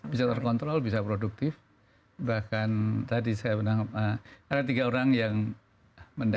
bisa terkontrol bisa produktif bahkan tadi saya menangkap ada tiga orang yang mendapatkan